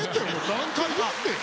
何回やんねん！